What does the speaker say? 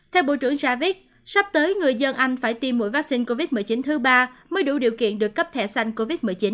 theo bộ trưởng javis sắp tới người dân anh phải tiêm mũi vaccine covid một mươi chín thứ ba mới đủ điều kiện được cấp thẻ xanh covid một mươi chín